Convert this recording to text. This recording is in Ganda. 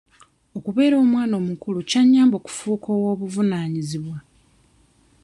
Okubeera omwana omukulu kya nnyamba okufuuka ow'obuvunaanyizibwa.